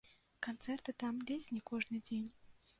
Канцэрты там ледзь не кожны дзень.